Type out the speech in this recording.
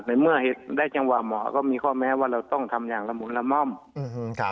ในเมื่อเห็นได้จังหวะหมอก็มีข้อแม้ว่าเราต้องทำอย่างละมุนละม่อม